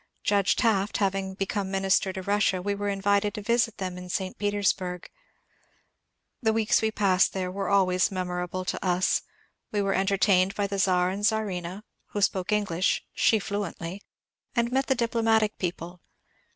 Judge Taft having be come minister to Russia, we were invited to visit them in St. Petersburg. The weeks we passed there were always memo rable to us ; we were entertained by the Czar and Czarina, who spoke English (she fluently), and met the diplomatic people.